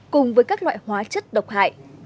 cùng với các loại hóa chất độc hại